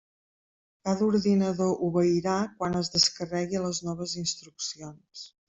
Cada ordinador obeirà quan es descarregui les noves instruccions.